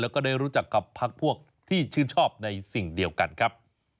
แล้วก็ได้รู้จักกับพักพวกที่ชื่นชอบในสิ่งเดียวกันครับ